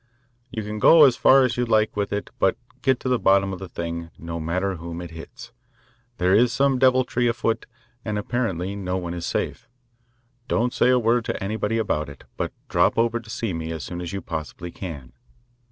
"You can go as far as you like with it, but get to the bottom of the thing, no matter whom it hits. There is some deviltry afoot, and apparently no one is safe. Don't say a word to anybody about it, but drop over to see me as soon as you possibly can."